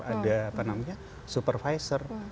ada apa namanya supervisor